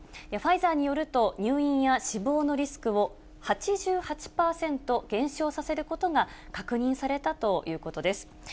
ファイザーによると、入院や死亡のリスクを８８％減少させることが確認されたということです。